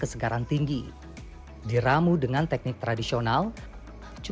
saat laminating ini ya di situ